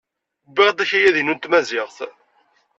Wwiɣ-d akayad-inu n tmaziɣt.